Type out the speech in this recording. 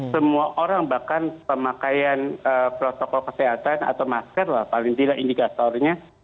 semua orang bahkan pemakaian protokol kesehatan atau masker lah paling tidak indikatornya